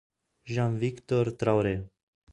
Jean-Victor Traoré